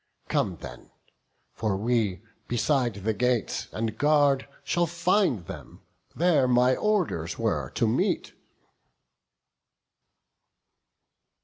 Come then; for we, beside the gates, and guard Shall find them; there my orders were to meet."